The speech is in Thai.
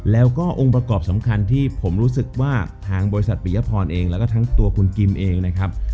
แล้วก็องค์ประกอบสำคัญที่ผมรู้สึกว่าทางบริษัทปริยพรเองแล้วก็ทั้งตัวคุณกิมเองนะครับ